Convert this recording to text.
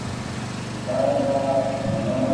دا د افغانستان د تاریخ یو مهم باب دی.